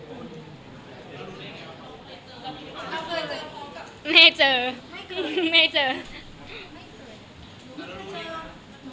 เพราะว่าเราก็คิดว่าเขาโฟกันเป็นแบบว่าคนนั้นน่ะ